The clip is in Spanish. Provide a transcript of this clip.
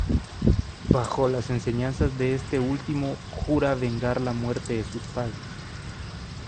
Bajo las enseñanzas de este último, jura vengar la muerte de sus padres.